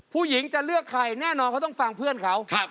ผู้หญิงจะเลือกใครแน่นอนเขาต้องฟังเพื่อนเขา